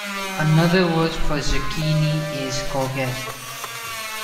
Another word for zucchini is courgette